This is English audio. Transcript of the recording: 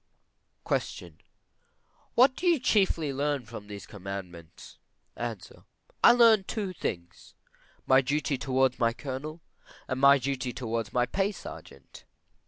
Q. What do you chiefly learn by these commandments? A. I learn two things: my duty towards my Colonel, and my duty towards my pay sergeant.